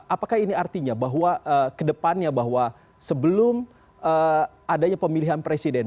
apakah ini artinya bahwa kedepannya bahwa sebelum adanya pemilihan presiden